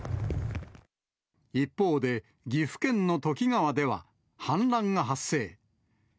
一方で、岐阜県の土岐川では、氾濫が発生。